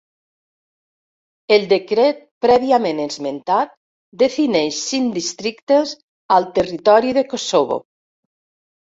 El decret prèviament esmentat defineix cinc districtes al territori de Kosovo.